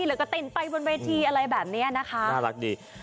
แล้วก็เต้นไปบนเวทีอะไรแบบนี้นะคะน่ารักดี